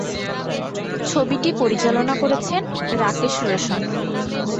ছবিটি পরিচালনা করেছেন রাকেশ রোশন।